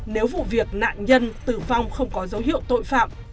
nếu vụ việc nạn nhân tử vong không có dấu hiệu tội phạm